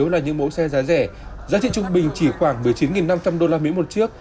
là những mẫu xe giá rẻ giá trị trung bình chỉ khoảng một mươi chín năm trăm linh usd một chiếc